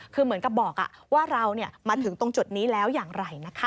คือเหมือนกับบอกว่าเรามาถึงตรงจุดนี้แล้วอย่างไรนะคะ